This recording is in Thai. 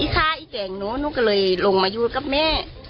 พ่อแข้งนกเลยอยู่กับแม่